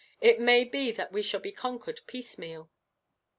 It may be that we shall be conquered piecemeal.